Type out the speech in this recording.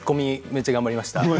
めっちゃ頑張りました。